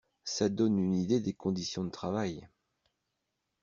ça donne une idée des conditions de travail.